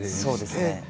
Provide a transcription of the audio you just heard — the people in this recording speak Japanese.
そうですね。